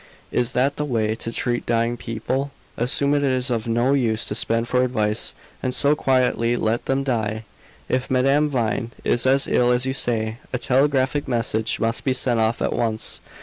"Is that the way to treat dying people? Assume it is of no use to send for advice, and so quietly let them die! If Madame Vine is as ill as you say, a telegraphic message must be sent off at once.